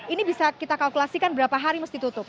ini bisa kita kalkulasikan berapa hari mesti tutup